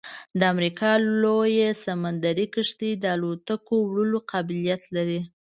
د امریکا لویه سمندري کشتۍ د الوتکو وړلو قابلیت لري